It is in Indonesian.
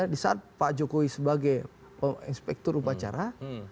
di saat pak jokowi sebagai inspektur upacara